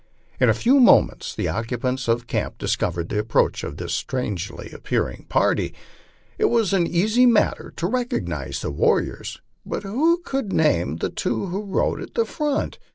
In a few moments the occupants of camp discovered the approach of this strangely appearing party. It was an easy matter to recog nize the warriors, but who could name the two who rode at the front?